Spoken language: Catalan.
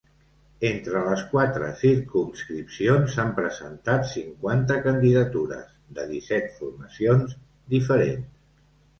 Entre les quatre circumscripcions s’han presentat cinquanta candidatures, de disset formacions diferents.